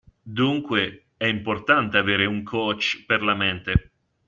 Dunque, è importante avere un coach per la mente.